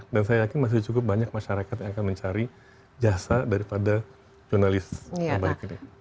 dan saya yakin masih cukup banyak masyarakat yang akan mencari jasa daripada jurnalis yang baik ini